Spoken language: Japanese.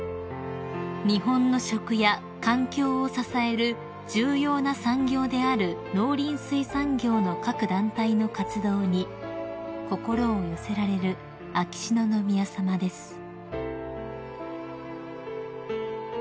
［日本の食や環境を支える重要な産業である農林水産業の各団体の活動に心を寄せられる秋篠宮さまです］